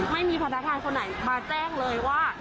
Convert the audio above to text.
ไม่มีพนักงานคนไหนมาแจ้งเลยว่า